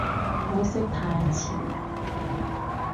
可惜太遲